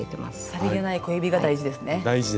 さりげない小指が大事ですね。